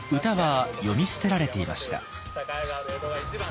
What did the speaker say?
歌は詠み捨てられていました。